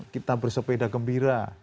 kita bersepeda gembira